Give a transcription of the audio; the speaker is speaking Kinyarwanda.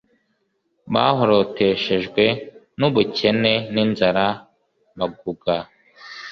Bahoroteshejwe n ubukene n inzara Baguga